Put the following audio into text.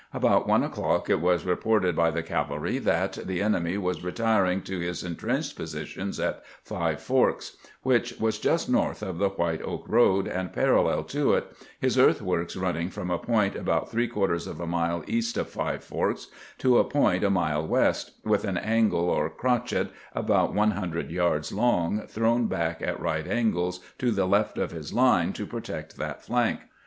About one o'clock it was reported by the cavalry that the enemy was retiring to his intrenched position at Five Forks, which was just north of the White Oak road and paral lel to it, his earthworks running from a point about three quarters of a mile east of Five Forks to a point a mile west, with an angle or " crochet," about one hun dred yards long, thrown back at right angles to the left 436 CAMPAIGNING WITH GRANT of his line to protect that flank.